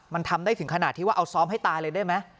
มันทำได้ถึงขนาดที่ว่าเอาซ้อมให้ตายเลยได้ไหม